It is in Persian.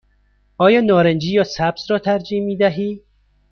آیا نارنجی یا سبز را ترجیح می دهی؟